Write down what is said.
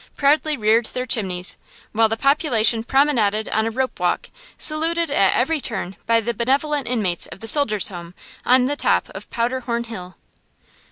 proudly reared their chimneys, while the population promenaded on a rope walk, saluted at every turn by the benevolent inmates of the Soldiers' Home on the top of Powderhorn Hill.